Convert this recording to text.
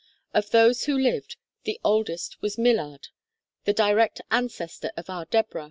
Of those who lived, the oldest was Millard, the direct ancestor of our Deborah.